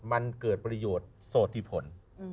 มันเกิดประโยชน์โสธิผล